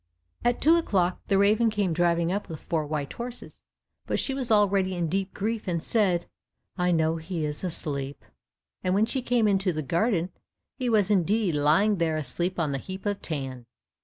At two o'clock the raven came driving up with four white horses, but she was already in deep grief and said, "I know he is asleep." And when she came into the garden, he was indeed lying there asleep on the heap of tan.